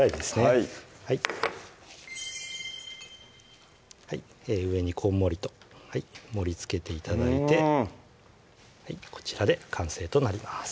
はいはい上にこんもりと盛りつけて頂いてこちらで完成となります